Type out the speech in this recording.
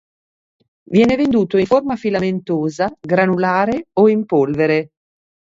Viene venduto in forma filamentosa, granulare o in polvere.